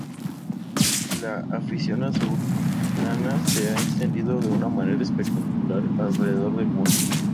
La afición azulgrana se ha extendido de una manera espectacular alrededor del mundo.